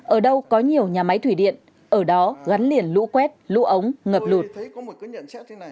ở đâu có nhiều nhà máy thủy điện ở đó gắn liền lũ quét lũ ống ngập lụt